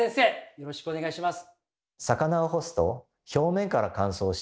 よろしくお願いします。